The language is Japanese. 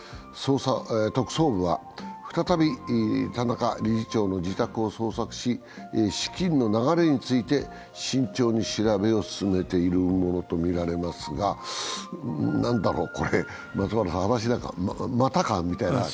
特捜部は再び、田中理事長の自宅を捜索し、資金の流れについて慎重に調べを進めているものとみられますが、何だろうこれ、私なんかまたかみたいな。